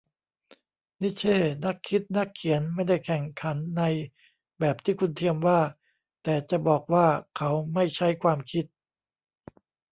นิทเช่ นักคิดนักเขียนไม่ได้แข่งขันในแบบที่คุณเทียมว่า แต่จะบอกว่าเขาไม่ใช้ความคิด ?